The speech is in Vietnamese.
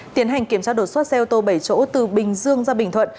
tiến hành kiểm tra đột xuất xe ô tô bảy chỗ từ bình dương ra bình thuận